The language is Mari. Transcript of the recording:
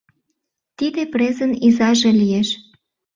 Тиде презын изаже лиеш!